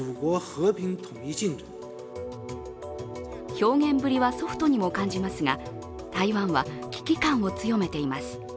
表現ぶりはソフトにも感じますが、台湾は危機感を強めています。